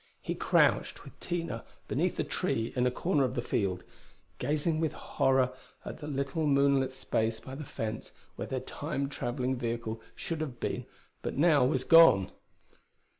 He crouched with Tina beneath a tree in a corner of the field, gazing with horror at the little moonlit space by the fence where their Time traveling vehicle should have been but now was gone.